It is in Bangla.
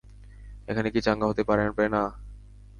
এখানে কি চাঙ্গা হতে পারবে না?